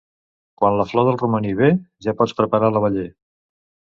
Quan la flor del romaní ve, ja pots preparar l'abeller.